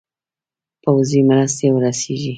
پوځي مرستي ورسیږي.